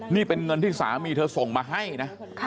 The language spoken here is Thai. นี่เป็นเงินที่สามีเธอส่งมาให้นะ